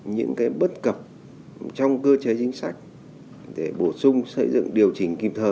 những bất cập trong cơ chế chính sách để bổ sung xây dựng điều chỉnh kịp thời